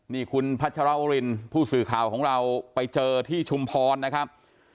นี่คุณพัชรวรินผู้สื่อข่าวของเราไปเจอที่ชุมพรนะครับ